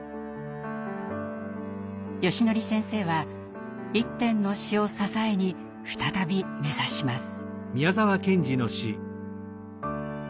よしのり先生は一編の詩を支えに再び目指します。